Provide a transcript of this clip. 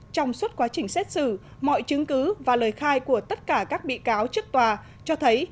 trong suốt quá trình xét xử mọi chứng cứ và lời khai của tất cả các bị cáo trước tòa cho thấy